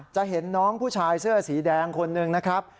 จะเห็นน้องผู้ชายเสื้อสีแดงคนหนึ่งนะครับ